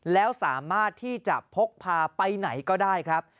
แล้วสามารถที่จะพกพาไปไหนก็ได้ครับ